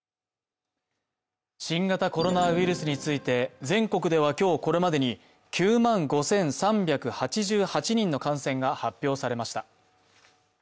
新型コロナウイルスについて全国では今日これまでに９万５３８８人の感染が発表されました